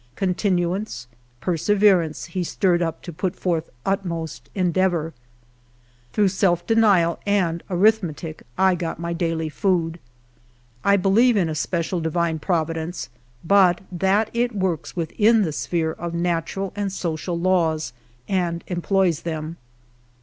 Continuance, perseverence he stirred up to put forth utmost endeavor. Through self de nial and arithmetic I got my daily food. I believe in a special divine Providence, but that it works within the sphere oi natural and social laws, and emph)ys them.